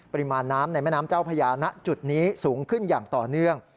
ปริมาณน้ำในแม่น้ำเจ้าพญาณจุดนี้สูงขึ้นอย่างต่อเนื่อง